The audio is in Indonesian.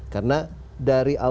karena dari awal